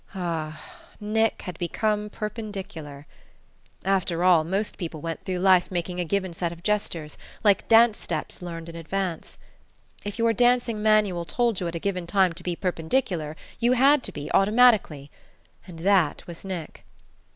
Ah, Nick had become perpendicular!... After all, most people went through life making a given set of gestures, like dance steps learned in advance. If your dancing manual told you at a given time to be perpendicular, you had to be, automatically and that was Nick!